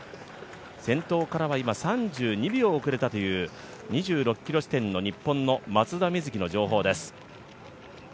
先頭からは３２秒遅れたという２６ｋｍ地点の日本の松田瑞生の情報です。